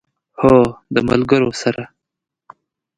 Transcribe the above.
هو، د ملګرو سره